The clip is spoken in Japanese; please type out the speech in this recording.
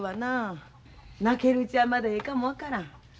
泣けるうちはまだええかも分からん。